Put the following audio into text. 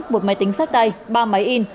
một máy tính sách tay ba máy in